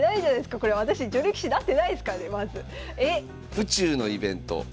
府中のイベント。